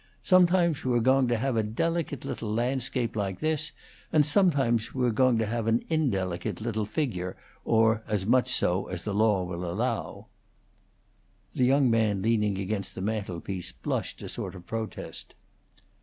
Sometimes we're going to have a delicate little landscape like this, and sometimes we're going to have an indelicate little figure, or as much so as the law will allow." The young man leaning against the mantelpiece blushed a sort of protest.